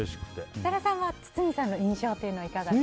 設楽さんは堤さんの印象はいかがですか？